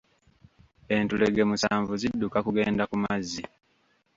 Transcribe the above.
Entulege musaanvu zidduka kugenda ku mazzi.